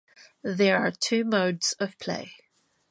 There are two modes of play.